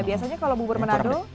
biasanya kalau bubur menadul